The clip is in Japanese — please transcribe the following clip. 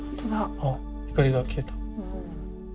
あっ光が消えた。